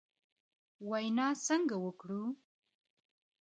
وینا څنګه وکړو ؟